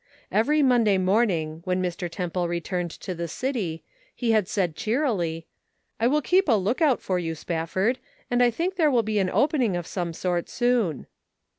Every Mon day morning when Mr. Temple returned to the city, he had said cheerily : 378 The Pocket Measure. "I will keep a lookout for you, Spafford, and I think there will be an opening of some sort soon."